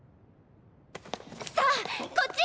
さこっち！